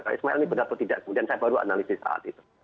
pak ismail ini benar atau tidak kemudian saya baru analisis saat itu